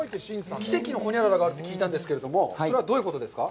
奇跡のホニャララがあるって聞いたんですけど、それはどういうことですか？